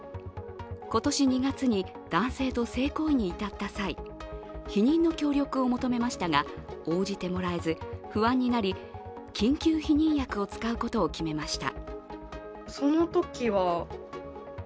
今年２月に男性と性行為に至った際避妊の協力を求めましたが応じてもらえず不安になり、緊急避妊薬を使うことを決めました。